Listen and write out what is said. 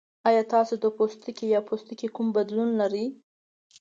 ایا تاسو د پوستکي یا پوستکي کوم بدلون لرئ؟